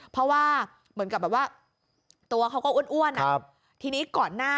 เพราะว่าเหมือนกับว่าตัวเขาก็อ้วนน่ะ